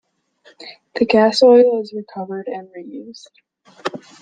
The gas oil is recovered and re-used.